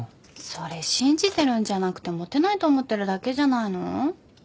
それ信じてるんじゃなくてモテないと思ってるだけじゃないの？